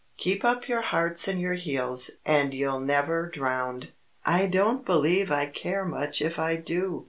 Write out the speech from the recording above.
Keep up your hearts and your heels, and you'll never drown." "I don't believe I care much if I do!"